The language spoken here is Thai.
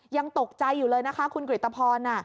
ยังตกใจอยู่เลยนะคะคุณกริตภร